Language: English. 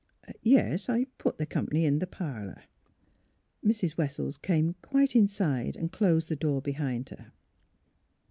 ... Yes ; I put th' comp'ny in th' parlour." Mrs. Wessels came quite inside and closed the door behind her.